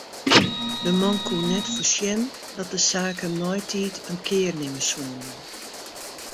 De man koe net foarsjen dat de saken neitiid in kear nimme soene.